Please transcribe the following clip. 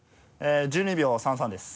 １２秒３３です。